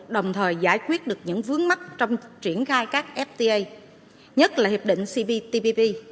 đồng thời giải quyết được những vướng mắt trong triển khai các fta nhất là hiệp định cptpp